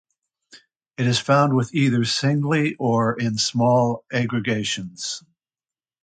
It is found with either singly or in small aggregations.